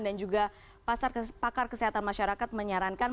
dan juga pakar kesehatan masyarakat menyarankan